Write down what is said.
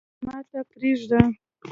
ته خو يي ماته پریږده